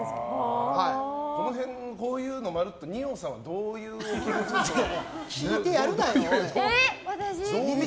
こういうのまるっと二葉さんはどういう気持ちですか？